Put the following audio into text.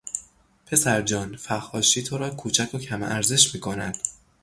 پسرجان فحاشی تو را کوچک و کم ارزش میکند!